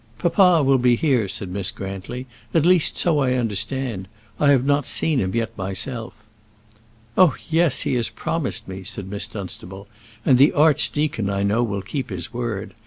"Papa will be here," said Miss Grantly; "at least so I understand. I have not seen him yet myself." "Oh, yes, he has promised me," said Miss Dunstable; "and the archdeacon, I know, will keep his word.